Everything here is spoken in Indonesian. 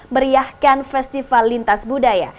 meriahkan festival lintas budaya